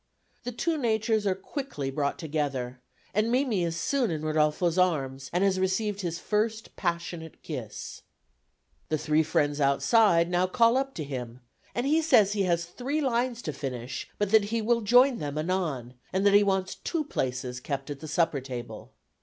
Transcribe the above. The two natures are quickly brought together, and Mimi is soon in Rodolfo's arms and has received his first passionate kiss. The three friends outside now call up to him, and he says he has three lines to finish, but that he will join them anon, and that he wants two places kept at the supper table.